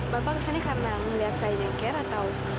bapak kesini karena melihat saya jengkir atau